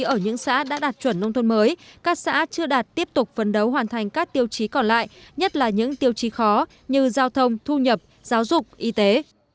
ở những xã đã đạt chuẩn nông thôn mới các xã chưa đạt tiếp tục phấn đấu hoàn thành các tiêu chí còn lại nhất là những tiêu chí khó như giao thông thu nhập giáo dục y tế